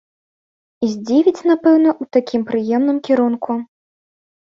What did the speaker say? І здзівіць, напэўна, у такім прыемным кірунку.